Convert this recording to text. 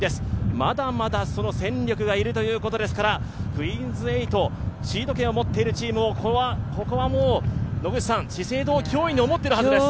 まだまだ戦力がいるということですからクイーンズ８、シード権を持っているチームはここはもう、資生堂は脅威に思っているはずです。